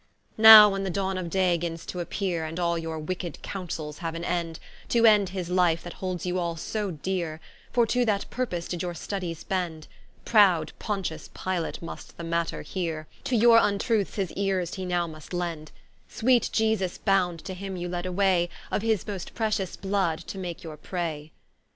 Now when the dawne of day gins to appeare, And all your wicked counsels haue an end, To end his Life, that holds you all so deere, For to that purpose did your studies bend; Proud Pontius Pilate must the matter heare, To your vntroths his eares he now must lend: Sweet Iesus bound, to him you led away, Of his most pretious blood to make your pray.